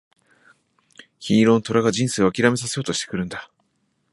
金色の虎が人生を諦めさせようとしてくるんだ。